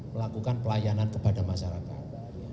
melakukan pelayanan kepada masyarakat